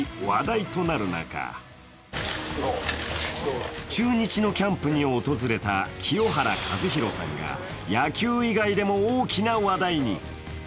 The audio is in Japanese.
話題となる中、中日のキャンプに訪れた清原和博さんが野球以外でも大きな話題に。